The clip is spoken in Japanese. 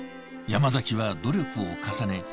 山崎は努力を重ね